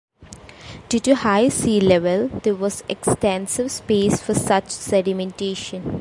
Due to the high sea level there was extensive space for such sedimentation.